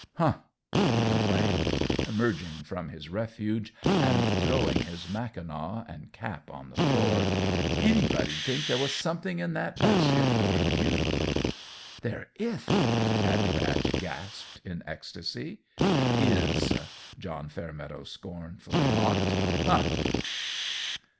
"Huh!" he complained, emerging from his refuge and throwing his mackinaw and cap on the floor; "anybody'd think there was something in that basket for you." "There ith," Pattie Batch gasped, in ecstasy. "Is!" John Fairmeadow scornfully mocked. "Huh!"